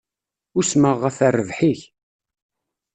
Usmeɣ ɣef rrbeḥ-ik.